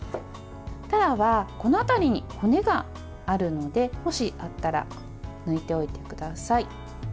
たらは、この辺りに骨があるのでもしあったら抜いておいてください。